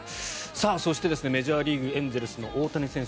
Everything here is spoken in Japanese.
そしてメジャーリーグエンゼルスの大谷翔平選手